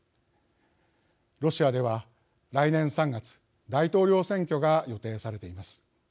ロシアでは、来年３月大統領選挙が予定されています。